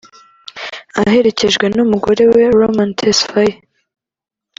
aherekejwe n’umugore we Roman Tesfaye